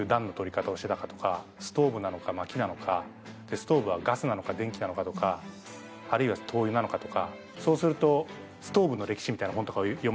ストーブはガスなのか電気なのかとか、あるいは灯油なのかとか。